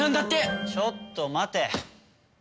ちょっと待て。